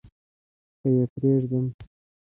که يې پرېږدم .